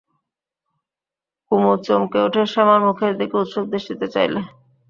কুমু চমকে উঠে শ্যামার মুখের দিকে উৎসুক দৃষ্টিতে চাইলে।